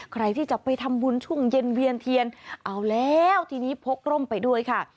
ใครที่จะไปทำบุญช่วงเย็นเวียนเทียนเอาแล้วทีนี้พกร่มไปด้วยค่ะ